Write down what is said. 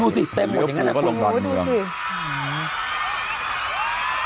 ดูสิเต็มหรือเปลี่ยวปูก็ลงดอนเมืองดูสิ